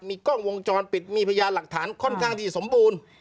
มีกล้องวงจรปิดมีพยานหลักฐานค่อนข้างที่สมบูรณ์